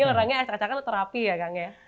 ini orangnya acak acakan atau terapi ya kang ya